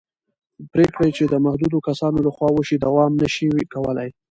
پرېکړې چې د محدودو کسانو له خوا وشي دوام نه شي کولی